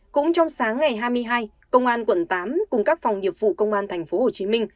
cũng trong sáng ngày hai mươi hai công an quận tám cùng các phòng nghiệp vụ công an tp hcm